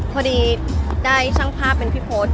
พอดีได้ช่างภาพเป็นพี่พศ